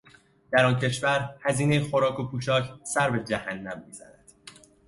در آن کشور هزینهٔ خوراک و پوشاک سر به جهنم میزند.